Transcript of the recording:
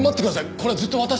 これはずっと私が。